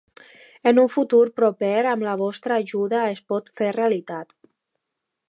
En un futur proper, amb la vostra ajuda, es pot fer realitat.